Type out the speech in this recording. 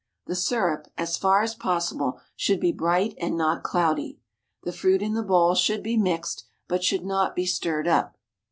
The syrup, as far as possible, should be bright and not cloudy. The fruit in the bowl should be mixed, but should not be stirred up.